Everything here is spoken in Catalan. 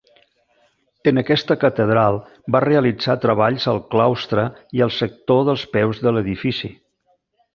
En aquesta catedral va realitzar treballs al claustre i al sector dels peus de l'edifici.